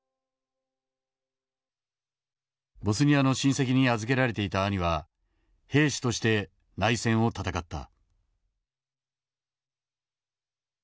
ボスニアの親戚に預けられていた兄は兵士として内戦を戦った。